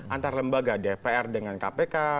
antar lembaga dpr dengan kpk